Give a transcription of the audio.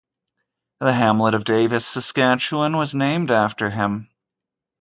The hamlet of Davis, Saskatchewan was named after him.